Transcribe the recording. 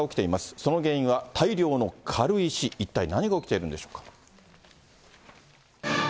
その原因は大量の軽石、一体何が起きてるんでしょうか。